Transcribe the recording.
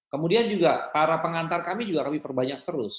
kemudian juga para pengantar kami juga kami perbanyak terus